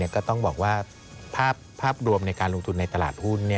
ก็ต้องบอกว่าภาพรวมในการลงทุนในตลาดหุ้น